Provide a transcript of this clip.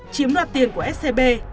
chiếm đoạt tiền của scb